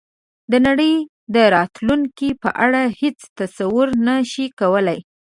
د نړۍ د راتلونکې په اړه هېڅ تصور نه شي کولای.